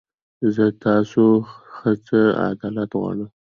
زه تاسو خڅه عدالت غواړم.